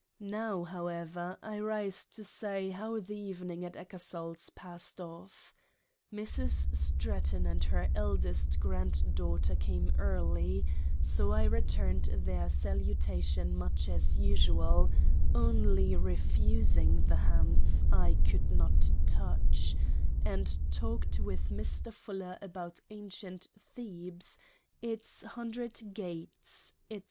Now however, I rise to say how the Evening at EckersalPs passed off. Mrs. Stratton and her eldest Granddaughter came early ; so I returned their Salutation much as usual only refusing the Hands J could not touch and talked with Mr. Fuller about ancient Thebes, its hundred Gates, &c.